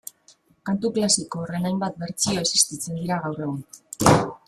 Kantu klasiko horren hainbat bertsio existitzen dira gaur egun